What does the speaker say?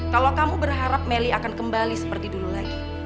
kalau kamu berharap melly akan kembali seperti dulu lagi